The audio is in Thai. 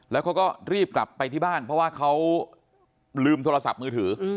แล้วเขาก็รีบกลับไปที่บ้านเพราะว่าเขาลืมโทรศัพท์มือถือ